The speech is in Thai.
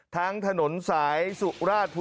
ทั้งถนนสายสุราชธุลพิณฑ์